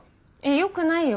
よくないよ。